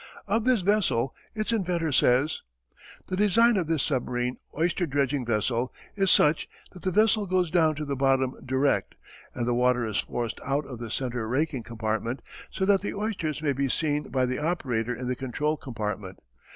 Of this vessel its inventor says: The design of this submarine oyster dredging vessel is such that the vessel goes down to the bottom direct, and the water is forced out of the centre raking compartment so that the oysters may be seen by the operator in the control compartment.